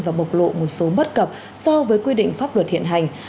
và bộc lộ một số bất cập so với quy định pháp luật hiện hành